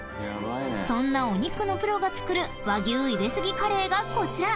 ［そんなお肉のプロが作る和牛入れすぎカレーがこちら］